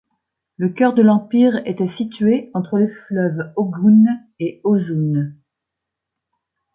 Le cœur de l'empire était situé entre les fleuves Ogun et Osun.